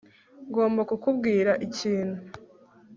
ngomba kukubwira ikintu